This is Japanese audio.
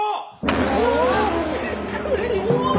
びっくりした！